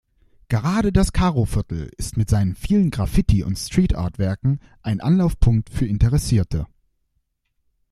Gerade das Karo-Viertel ist mit seinen vielen Graffiti- und Streetart-Werken ein Anlaufpunkt für Interessierte.